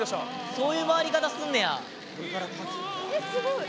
そういう回り方すんねや！